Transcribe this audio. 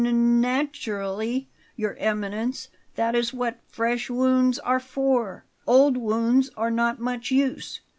"N n naturally, Your Eminence; that is what fresh wounds are for. Old wounds are not much use.